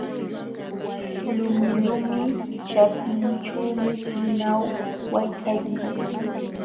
Lumilumi ćhapinćhuumi pinaw waytaykan.